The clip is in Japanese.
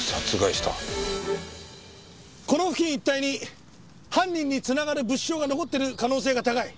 この付近一帯に犯人に繋がる物証が残っている可能性が高い。